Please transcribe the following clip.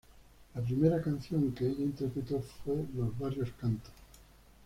La primera canción que ella interpretó fue "Los Barrios Cantan".